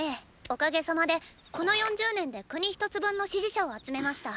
おかげさまでこの４０年で国一つ分の支持者を集めました。